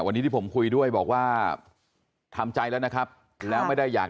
วันนี้ที่ผมคุยด้วยบอกว่าทำใจแล้วนะครับแล้วไม่ได้อยาก